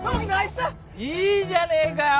いいじゃねえかよ。